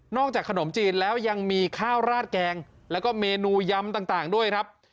จากขนมจีนแล้วยังมีข้าวราดแกงแล้วก็เมนูยำต่างด้วยครับ